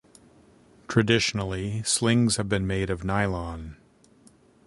Traditionally, slings have been made of nylon.